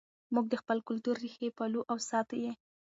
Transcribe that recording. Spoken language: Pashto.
موږ د خپل کلتور ریښې پالو او ساتو یې.